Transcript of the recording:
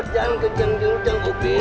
jangan ke jeng jeng jeng uping